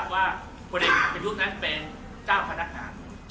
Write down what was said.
ว่าพอเด็กพยุทธนั้นเป็นเจ้าพนักงาน